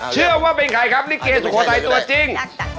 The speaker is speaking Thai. เชื่อว่าเป็นใครครับลิเกสุโขทัยตัวจริง